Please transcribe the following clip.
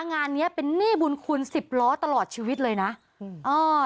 งานเนี้ยเป็นหนี้บุญคุณสิบล้อตลอดชีวิตเลยนะอืมเออ